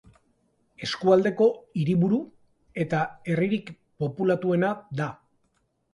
Eskualdeko hiriburu eta herririk populatuena da.